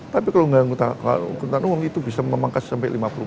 tapi kalau enggak angkutan umum itu bisa memangkas sampai lima puluh